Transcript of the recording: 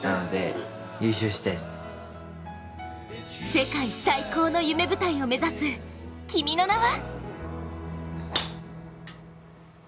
世界最高の夢舞台を目指す君の名は？